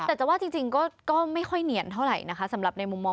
แต่จะว่าจริงก็ไม่ค่อยเนียนเท่าไหร่นะคะสำหรับในมุมมอง